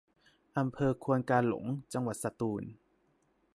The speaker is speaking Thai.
อำเภอควนกาหลง จังหวัดสตูล